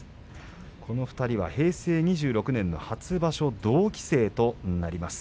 この２人は平成２６年の初場所同期生となります。